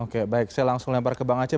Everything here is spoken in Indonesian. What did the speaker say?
oke baik saya langsung lempar ke bang aceh